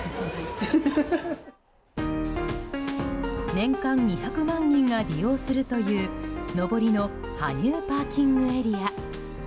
年間２００万人が利用するという上りの羽生ＰＡ。